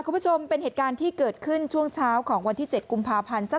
คุณผู้ชมเป็นเหตุการณ์ที่เกิดขึ้นช่วงเช้าของวันที่๗กุมภาพันธ์